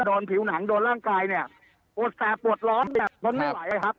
โดนผิวหนังโดนร่างกายเนี้ยปวดแสบปวดร้อนเนี้ยมันไม่ไหลครับ